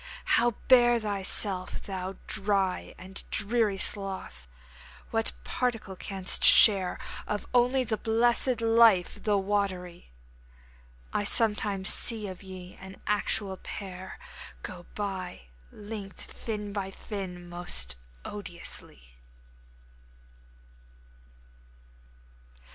How bear thyself, thou dry And dreary sloth? What particle canst share Of the only blessed life, the watery? I sometimes see of ye an actual pair Go by! linked fin by fin! most odiously.